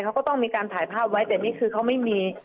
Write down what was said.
เขาก็ต้องมีการถ่ายภาพไว้แต่นี่คือเขาไม่มี